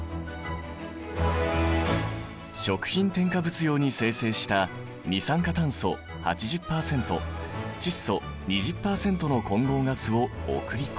食品添加物用に生成した二酸化炭素８０％窒素２０％の混合ガスを送り込む。